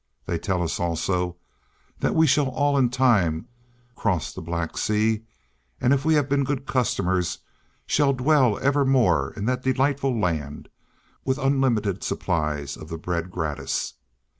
They tell us also that we shall all in time cross the Black Sea, and if we have been good customers shall dwell evermore in that delightful land, with unlimited supplies of the bread gratis.